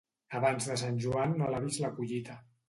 Abans de Sant Joan no alabis la collita.